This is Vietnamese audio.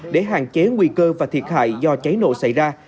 để hạn chế nguy cơ và thiệt hại do cháy nổ xảy ra